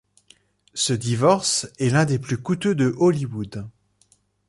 Ce divorce est l'un des plus coûteux de Hollywood.